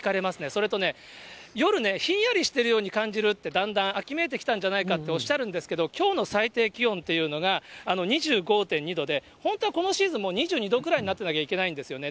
それとね、夜ね、ひんやりしてるように感じるって、だんだん秋めいてきたんじゃないかっておっしゃるんですけど、きょうの最低気温っていうのが２５．２度で、本当はこのシーズンもう２２度くらいになってなきゃいけないんですよね。